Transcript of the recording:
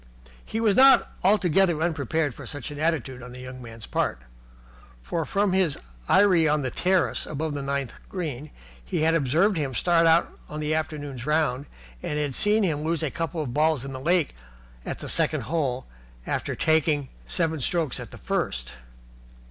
He was not altogether unprepared for such an attitude on the young man's part: for from his eyrie on the terrace above the ninth green he had observed him start out on the afternoon's round and had seen him lose a couple of balls in the lake at the second hole after taking seven strokes at the first.